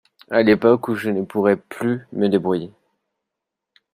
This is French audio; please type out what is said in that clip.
À l’époque où je ne pourrai plus me débrouiller.